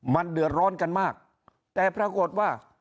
มันเดือดร้อนกันมากแต่ปรากฏว่า